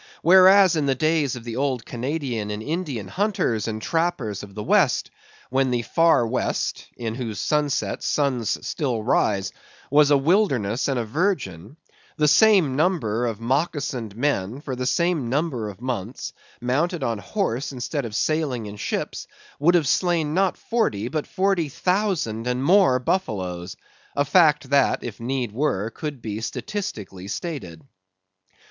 Whereas, in the days of the old Canadian and Indian hunters and trappers of the West, when the far west (in whose sunset suns still rise) was a wilderness and a virgin, the same number of moccasined men, for the same number of months, mounted on horse instead of sailing in ships, would have slain not forty, but forty thousand and more buffaloes; a fact that, if need were, could be statistically stated.